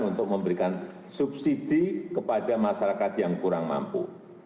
untuk memberikan subsidi kepada masyarakat yang kurang mampu